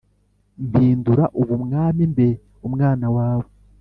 Mpindura ubu mwami mbe umwana wawe